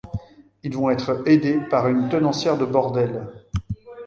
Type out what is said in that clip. Ils vont être aidés par une tenancière de bordel.